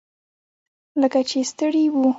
لکه چې ستړي وو.